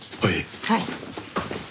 はい。